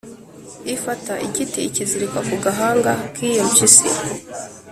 Ifata igiti ikizirika ku gahanga k’iyo mpyisi.